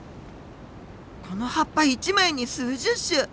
この葉っぱ一枚に数十種！